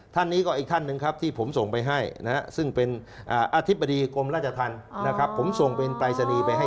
ท่านนี้ก็อีกท่านนึงครับที่ผมส่งไปให้นะ